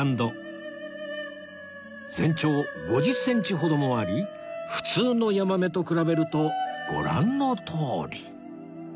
全長５０センチほどもあり普通の山女魚と比べるとご覧のとおり